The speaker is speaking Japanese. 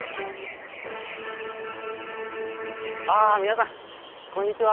ああ皆さんこんにちは。